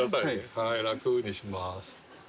はい楽にします。